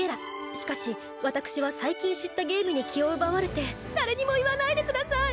しかしわたくしは最近知ったゲームに気を奪われて誰にも言わないで下さい！